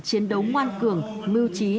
chiến đấu ngoan cường mưu trí